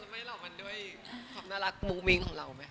ไม่หรอกมันด้วยความน่ารักมุ้งมิ้งของเราไหมค